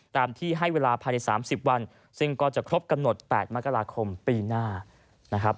ตามที่ให้เวลาภายใน๓๐วันซึ่งก็จะครบกำหนด๘มกราคมปีหน้านะครับ